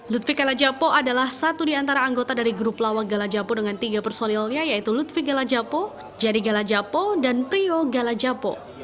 lutfi gala japo adalah satu di antara anggota dari grup lawang gala japo dengan tiga personilnya yaitu lutfi gala japo jadi gala japo dan prio galajapo